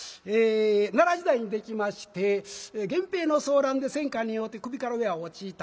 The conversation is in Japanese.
奈良時代にできまして源平の争乱で戦火に遭うて首から上は落ちた。